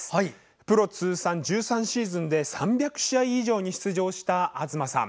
プロ通算１３シーズンで３００試合以上出場と活躍した東さん。